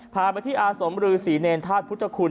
พาไปที่อาสมรือศรีเนรธาตุพุทธคุณ